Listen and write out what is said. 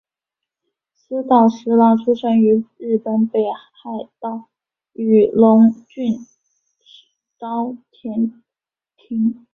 寺岛实郎出生于日本北海道雨龙郡沼田町。